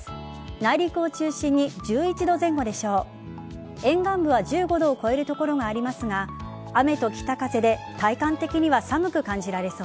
内陸を中心に１１度前後でしょう。